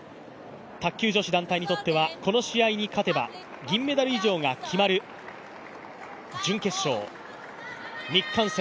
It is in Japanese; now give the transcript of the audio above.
卓球女子団体にとってはこの試合に勝てば銀メダル以上が決まる準決勝、日韓戦。